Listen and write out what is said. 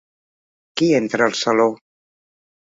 Qui entra al saló?